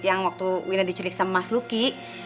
yang waktu bu ina diculik sama mas lucky